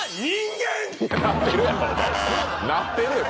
なってるよ